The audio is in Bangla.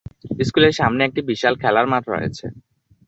স্কুলের সামনে একটি বিশাল খেলার মাঠ রয়েছে।